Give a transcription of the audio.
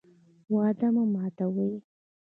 وعده مه ماتوئ